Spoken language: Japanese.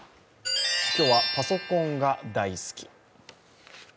今日は、パソコンが大好き。